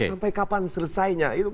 sampai kapan selesainya